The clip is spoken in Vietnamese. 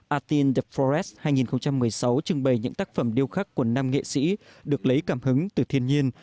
atin the forest hai nghìn một mươi sáu trưng bày những tác phẩm điêu khắc của năm nghệ sĩ được lấy cảm hứng từ thiên nhiên